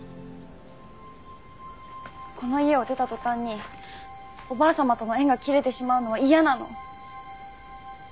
この家を出た途端におばあ様との縁が切れてしまうのは嫌なの。